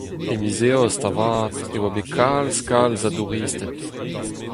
E miz Eost, avat, e oa bet kalz-kalz a douristed.